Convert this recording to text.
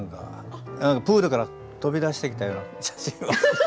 プールから飛び出してきたような写真を。